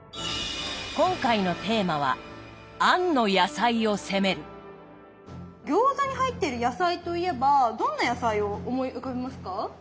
今回のテーマは餃子に入っている野菜といえばどんな野菜を思い浮かべますか？